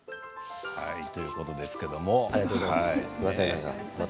ありがとうございます。